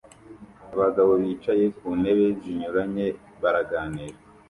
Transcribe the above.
abagabo bicaye ku ntebe zinyuranye baraganira